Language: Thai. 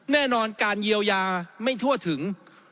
แน่นอนการเยียวยาไม่ทั่วถึง